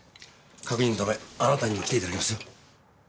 確認のためあなたにも来ていただきますよ。